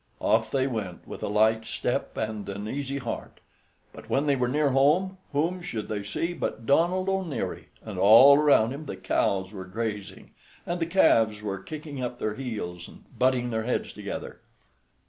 Off they went, with a light step and an easy heart, but when they were near home, whom should they see but Donald O'Neary, and all around him the cows were grazing, and the calves were kicking up their heels and butting their heads together.